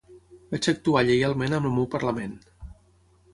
Vaig actuar lleialment amb el meu parlament.